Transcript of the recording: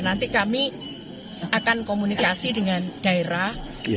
nanti kami akan komunikasi dengan daerah